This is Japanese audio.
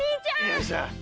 よいしょ。